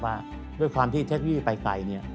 ว่าด้วยความที่เทคโนโลยีไปไกลเนี่ย